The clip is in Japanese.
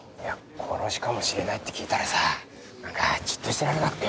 殺しかもしれないって聞いたらさ何かじっとしてられなくてよ。